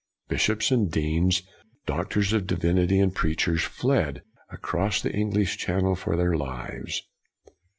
Bish ops and deans, doctors of divinity and preachers, fled across the English Channel for their lives.